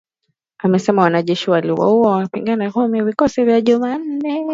Amesema wanajeshi waliwaua wapiganaji kumi na moja wa Vikosi vya Muungano wa Kidemokrasia jana Jumanne.